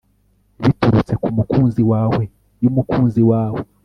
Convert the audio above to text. Biturutse ku mukunzi wawe yumukunzi wawe